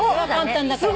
簡単だから。